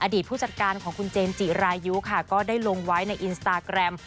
ผู้จัดการของคุณเจมส์จิรายุค่ะก็ได้ลงไว้ในอินสตาแกรม